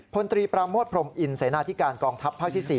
พลตรีปราโมทพรมอินเสนาธิการกองทัพภาคที่๔